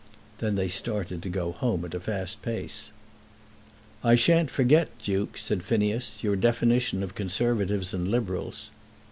Then they started to go home at a fast pace. "I shan't forget, Duke," said Phineas, "your definition of Conservatives and Liberals."